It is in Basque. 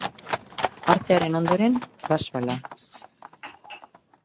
Artearen ondoren, baseballa.